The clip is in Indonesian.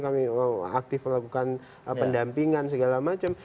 kami aktif melakukan pendampingan segala macam